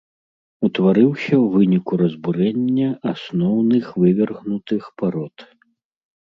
Утварыўся ў выніку разбурэння асноўных вывергнутых парод.